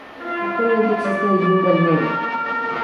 Actualmente existe allí un balneario.